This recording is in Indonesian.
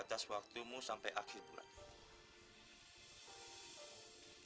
atas waktumu sampai akhir bulan ini